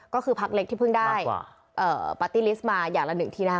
ก็คือพักเล็กที่เพิ่งได้ปาร์ตี้ลิสต์มาอย่างละหนึ่งที่ได้